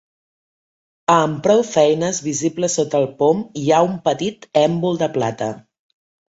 Amb prou feines visible sota el pom hi ha un petit èmbol de plata.